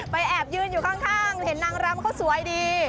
แอบยืนอยู่ข้างเห็นนางรำเขาสวยดี